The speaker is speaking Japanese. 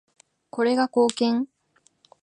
これが貢献？